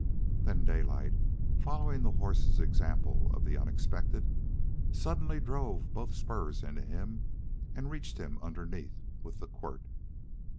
Then Daylight, following the horse's example of the unexpected, suddenly drove both spurs into him and reached him underneath with the quirt.